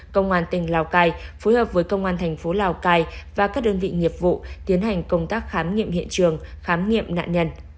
công an tỉnh lào cai phối hợp với công an thành phố lào cai và các đơn vị nghiệp vụ tiến hành công tác khám nghiệm hiện trường khám nghiệm nạn nhân